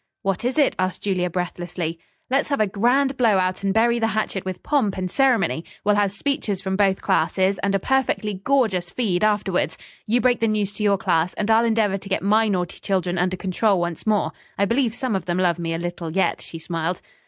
"What is it?" asked Julia breathlessly. "Let's have a grand blow out and bury the hatchet with pomp and ceremony. We'll have speeches from both classes, and a perfectly gorgeous feed afterwards. You break the news to your class and I'll endeavor to get my naughty children under control once more. I believe some of them love me a little yet," she smiled.